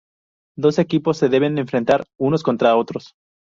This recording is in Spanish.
Dos equipos se deben enfrentar unos contra otros.